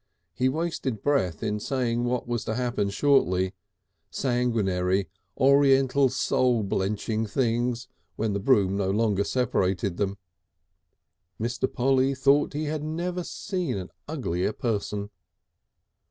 He wasted breath in saying what was to happen shortly, sanguinary, oriental soul blenching things, when the broom no longer separated them. Mr. Polly thought he had never seen an uglier person.